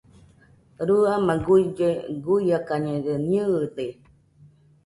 Rɨama guille guiakañede, nɨɨde.